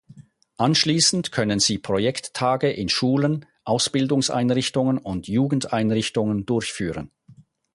Anschließend können sie Projekttage in Schulen, Ausbildungseinrichtungen und Jugendeinrichtungen durchführen.